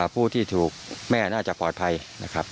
ผู้ที่ถูกแม่น่าจะปลอดภัยนะครับ